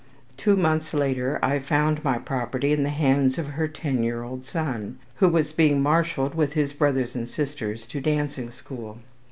Two months later I found my property in the hands of her ten year old son, who was being marshalled with his brothers and sisters to dancing school.